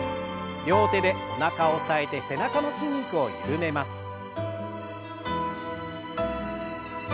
両手でおなかを押さえて背中の筋肉を緩めます。